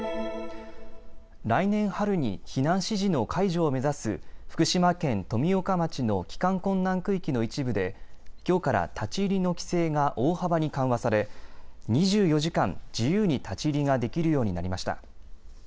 来年春に避難指示の解除を目指す福島県富岡町の帰還困難区域の一部できょうから立ち入りの規制が大幅に緩和され２４時間、自由に立ち入りができるようになりました。